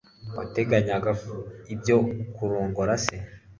wateganyaga ibyo kurongora se